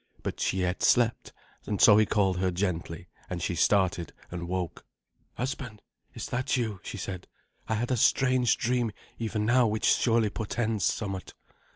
But she yet slept, and so he called her gently, and she started and woke. "Husband, is that you?" she said. "I had a strange dream even now which surely portends somewhat."